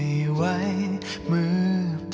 สวัสดีครับ